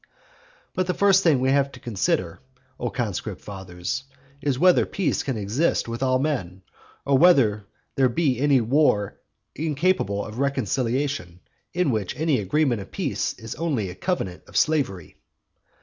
But the first thing that we have to consider, O conscript fathers, is whether peace can exist with all men, or whether there be any war incapable of reconciliation, in which any agreement of peace is only a covenant of slavery.